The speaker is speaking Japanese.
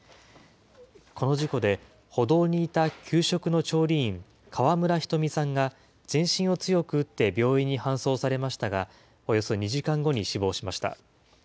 この事故で、歩道にいた給食の調理員、川村ひとみさんが全身を強く打って病院に搬送されましたが、およそ２時間後に死亡しました。